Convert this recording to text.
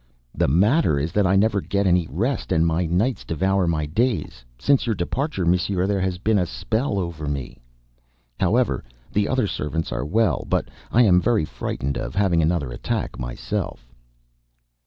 "The matter is that I never get any rest, and my nights devour my days. Since your departure, monsieur, there has been a spell over me." However, the other servants are all well, but I am very frightened of having another attack, myself.